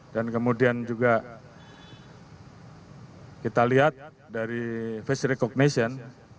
dan kemudian juga kita lihat dari face recognition